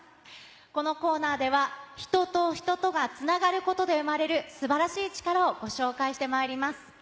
このコーナーでは、人と人とがつながることで生まれる素晴らしい力をご紹介してまいります。